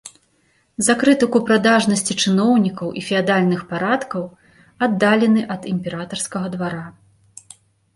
За крытыку прадажнасці чыноўнікаў і феадальных парадкаў аддалены ад імператарскага двара.